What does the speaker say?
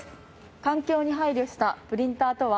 環境に配慮したプリンターとは？